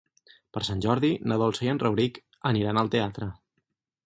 Per Sant Jordi na Dolça i en Rauric aniran al teatre.